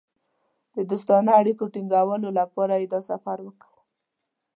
د دوستانه اړیکو ټینګولو لپاره یې دا سفر وکړ.